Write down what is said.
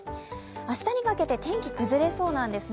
明日にかけて天気崩れそうなんですね。